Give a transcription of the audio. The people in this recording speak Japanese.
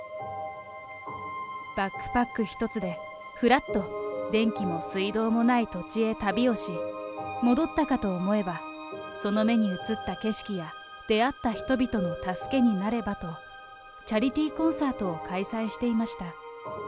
バックパック１つでふらっと電気も水道もない土地へ旅をし、戻ったかと思えば、その目に映った景色や出会った人々の助けになればと、チャリティーコンサートを開催していました。